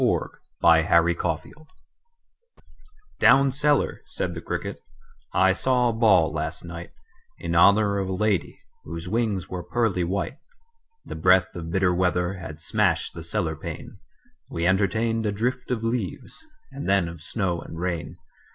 The Potato's Dance "Down cellar," said the cricket, "I saw a ball last night In honor of a lady Whose wings were pearly white. The breath of bitter weather Had smashed the cellar pane: We entertained a drift of leaves And then of snow and rain.